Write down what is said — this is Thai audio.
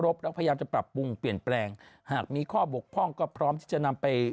พยายามจะปรับปรุงเปลี่ยนแปลงหากมีข้อบกพร่องก็พร้อมที่จะนำไป